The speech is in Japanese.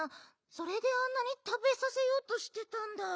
それであんなにたべさせようとしてたんだ。